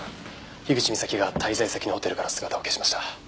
口みさきが滞在先のホテルから姿を消しました。